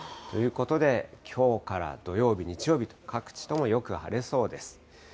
ということで、きょうから土曜日、日曜日と、各地ともよく晴れそうです。